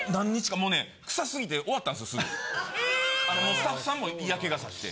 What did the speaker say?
・スタッフさんも嫌気がさして。